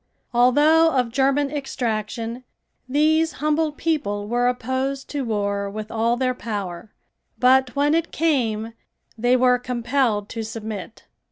Although of German extraction, these humble people were opposed to war with all their power, but when it came they were compelled to submit.